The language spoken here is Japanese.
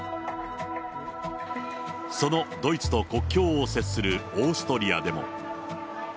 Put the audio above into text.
そのドイツと国境を接するオーストリアでも。